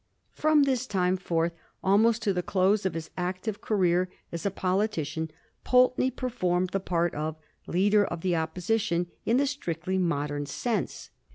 From this time forth almost to the close of his active career as a politician Pulteney per formed the part of Leader of Opposition in the strictly modem sense.